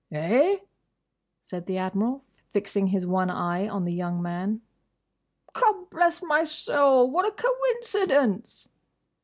"Eh," said the Admiral, fixing his one eye on the young man, "Gobblessmysoul! what a coincidence!"